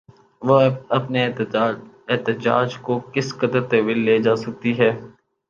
وہ اپنے احتجاج کو کس قدر طویل لے جا سکتی ہے؟